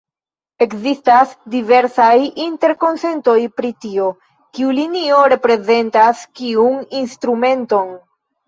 Ekzistas diversaj interkonsentoj pri tio, kiu linio reprezentas kiun instrumenton.